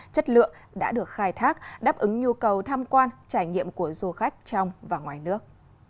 chất lượng đã được khai thác đáp ứng nhu cầu tham quan trải nghiệm của du khách trong và ngoài nước